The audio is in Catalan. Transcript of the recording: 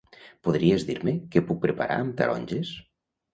Podries dir-me què puc preparar amb taronges?